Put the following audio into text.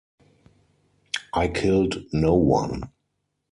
I killed no one.